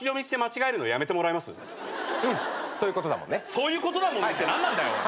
「そういうことだもんね」って何なんだよ！